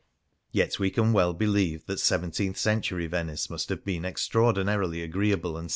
'' Yet we can well believe that seventeenth century Venice must have been extraordinarily agreeable and s?